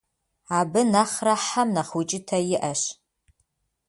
Абы нэхърэ хьэм нэхъ укӀытэ иӀэщ.